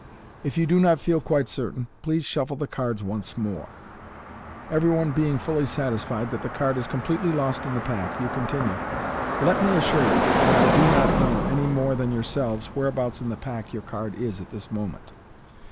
If you do not feel quite certain, please shuffle the cards once more. Every one being fully satisfied that the card is completely lost in the pack, you continue, " Let me assure you that I do not know, any more than yourselves, where* abouts in the pack your card is at this moment.